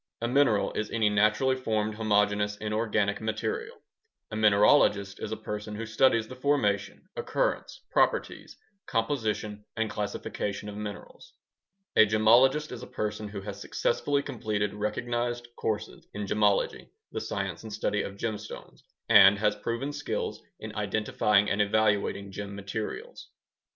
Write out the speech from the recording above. A mineral is any naturally formed homogeneous inorganic material. A mineralogist is a person who studies the formation, occurrence, properties, composition, and classification of minerals. A gemologist is a person who has successfully completed recognized courses in gemology (the science and study of gemstones) and has proven skills in identifying and evaluating gem materials.